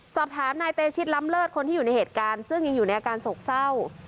สอบถามนายเตชิตล้ำเลิศคนที่อยู่ในเหตุการณ์ซึ่งยังอยู่ในอาการโศกเศร้า